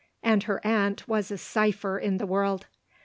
and her aunt was a cypher in the world.